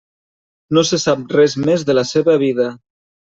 No se sap res més de la seva vida.